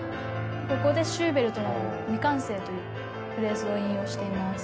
「ここでシューベルトの『未完成』というフレーズを引用しています」